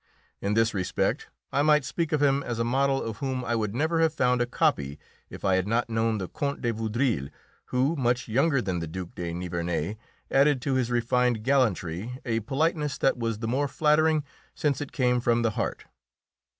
In this respect I might speak of him as a model of whom I would never have found a copy if I had not known the Count de Vaudreuil, who, much younger than the Duke de Nivernais, added to his refined gallantry a politeness that was the more flattering since it came from the heart.